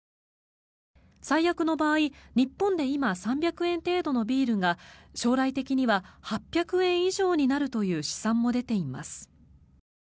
最悪の場合、日本で今３００円程度のビールが将来的には８００円以上になるという試算も出ています。